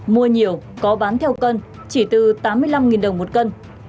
mua nhiều có bán theo cân chỉ từ tám mươi năm đồng một cân